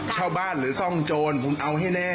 เช่าบ้านหรือซ่องโจรผมเอาให้แน่